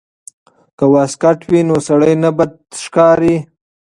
که واسکټ وي نو سړی نه بد ښکاریږي.